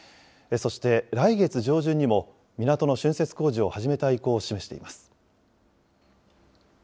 そして来月上旬にも、港のしゅんせつ工事を始めたい意向を示しています。